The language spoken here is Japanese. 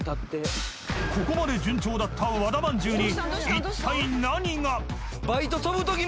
［ここまで順調だった和田まんじゅうに］